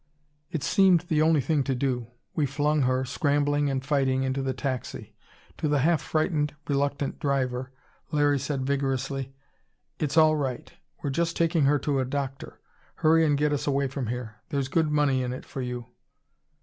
It seemed the only thing to do. We flung her, scrambling and fighting, into the taxi. To the half frightened, reluctant driver, Larry said vigorously: "It's all right; we're just taking her to a doctor. Hurry and get us away from here. There's good money in it for you!"